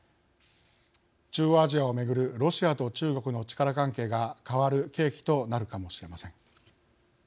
中央アジアを巡るロシアと中国の力関係が変わる契機となるかもしれません。